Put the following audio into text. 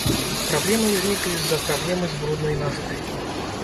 Праблемы ўзніклі з-за праблемы з бруднай нафтай.